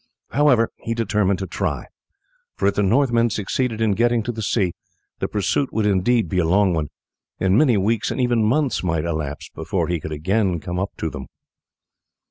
However he determined to try, for if the Northmen succeeded in getting to the sea the pursuit would indeed be a long one, and many weeks and even months might elapse before he could again come up to them.